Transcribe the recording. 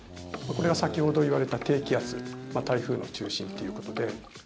これが先ほど言われた低気圧台風の中心っていうことで。